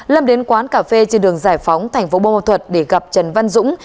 lâm đến quán cà phê trên đường giải phóng tp bô mò thuột để gặp trần văn dũng